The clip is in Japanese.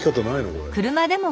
これ。